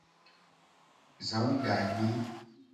Za ganyi.